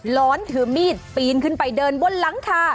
ร้อนถือมีดปีนขึ้นไปเดินบนหลังคา